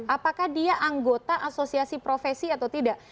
apakah dia anggota asosiasi profesi atau tidak